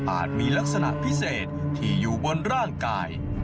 มีลักษณะพิเศษที่อยู่บนร่างกาย